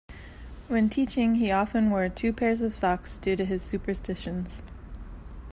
When teaching he often wore two pairs of socks due to his superstitions.